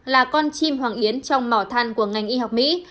là con chim hoàng yến trong mỏ than của ngành y học mỹ